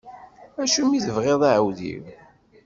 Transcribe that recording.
Acimi i tebɣiḍ aɛewdiw?